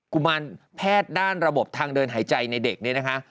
กุมารแพทย์ด้านระบบทางเดินหายใจในเด็กเนี่ยนะคะ